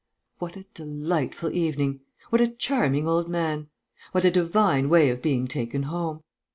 What a delightful evening! What a charming old man! What a divine way of being taken home!